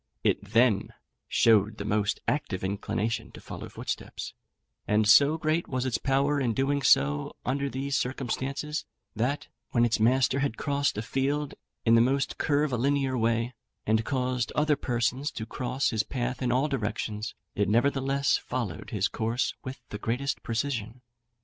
It then showed the most active inclination to follow footsteps; and so great was its power of doing so under these circumstances, that, when its master had crossed a field in the most curvilinear way, and caused other persons to cross his path in all directions, it nevertheless followed his course with the greatest precision.